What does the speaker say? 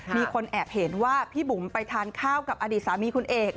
มีคนแอบเห็นว่าพี่บุ๋มไปทานข้าวกับอดีตสามีคุณเอก